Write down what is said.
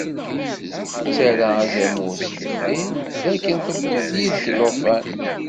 Ttarra azamul s deffir, dakken tewwiḍ-d yid-k llufan.